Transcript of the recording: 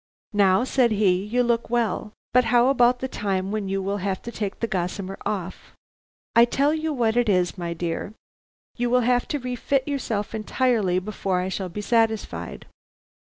"'Now,' said he, 'you look well, but how about the time when you will have to take the gossamer off? I tell you what it is, my dear, you will have to refit yourself entirely before I shall be satisfied.'